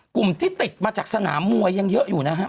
กลุ่มที่ติดมาจากสนามมวยยังเยอะอยู่นะครับ